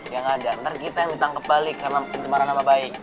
ya nggak ada nanti kita yang ditangkep balik karena pengemaran sama bayi